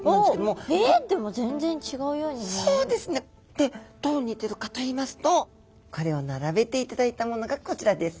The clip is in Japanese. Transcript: でどう似てるかといいますとこれを並べていただいたものがこちらです。